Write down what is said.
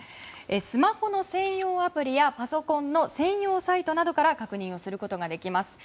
スマホの専用アプリやパソコンの専用サイトなどから確認することができます。